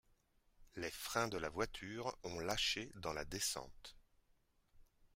Les freins de la voiture ont lâché dans la descente